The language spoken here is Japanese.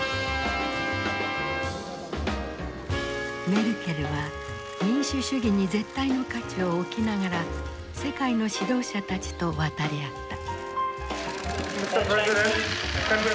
メルケルは民主主義に絶対の価値を置きながら世界の指導者たちと渡り合った。